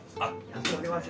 やっております。